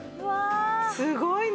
すごいね。